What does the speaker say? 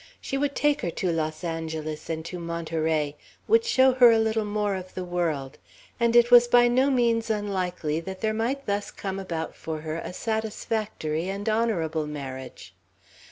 She would take her to Los Angeles and to Monterey; would show her a little more of the world; and it was by no means unlikely that there might thus come about for her a satisfactory and honorable marriage.